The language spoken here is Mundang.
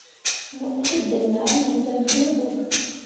Mo uu diŋ ah lira gin bo.